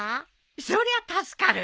そりゃ助かる。